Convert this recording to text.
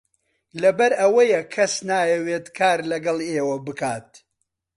لەبەر ئەوەیە کەس نایەوێت کار لەگەڵ ئێوە بکات.